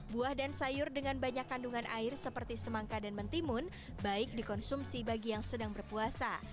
buah dan sayur dengan banyak kandungan air seperti semangka dan mentimun baik dikonsumsi bagi yang sedang berpuasa